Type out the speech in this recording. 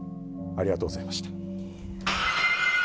ありがとうございます。